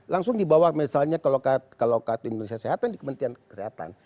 langsung di bawah misalnya kalau kartu indonesia sehatan di kementerian kesehatan